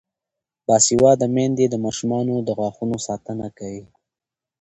باسواده میندې د ماشومانو د غاښونو ساتنه کوي.